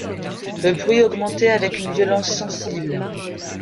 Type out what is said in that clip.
Le bruit augmentait avec une violence sensible.